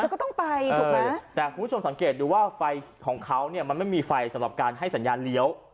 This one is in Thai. แล้วก็ต้องไปถูกไหมแต่คุณผู้ชมสังเกตดูว่าไฟของเขาเนี่ยมันไม่มีไฟสำหรับการให้สัญญาณเลี้ยว